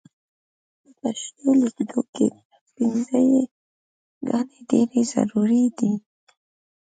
په پښتو لیکدود کې پينځه یې ګانې ډېرې ضرور دي.